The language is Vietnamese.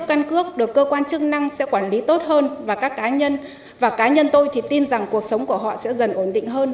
cấp căn cước được cơ quan chức năng sẽ quản lý tốt hơn và các cá nhân tôi thì tin rằng cuộc sống của họ sẽ dần ổn định hơn